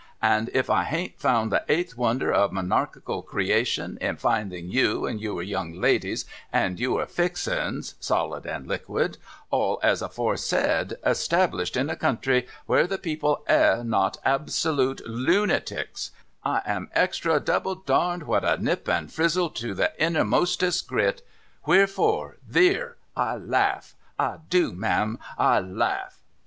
And if I hain't found the eighth wonder of monarchical Creation, in finding Yew, and Yewer young ladies, and Yewer fixin's solid and liquid, all as aforesaid, established in a country where the people air not absolute Loo naticks, I am Extra Double Darned with a Nip and Frizzle to the innermostest grit ! ^V■heerfur — Theer !— I la'af ! I Dew, ma'arm. I la'af !